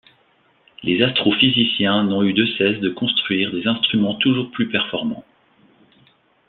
Les astrophysiciens n'ont eu de cesse de construire des instruments toujours plus performants.